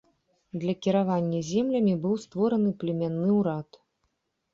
Для кіравання землямі быў створаны племянны ўрад.